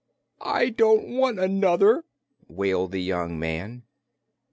"I don't want another!" wailed the young man.